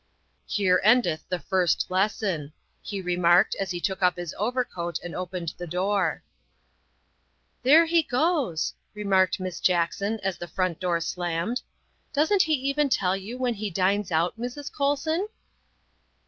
" Here endeth the first lesson," he remarked as he took up his overcoat and opened the door. " There he goes," remarked Miss Jackson as the front 176 THE WIFE OF door slammed. '' Doesn 't he even tell you when he dines out, Mrs. Colson?"